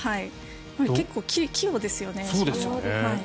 結構、器用ですよね。